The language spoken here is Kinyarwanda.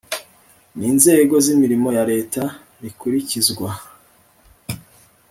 n inzego z imirimo ya Leta rikurikizwa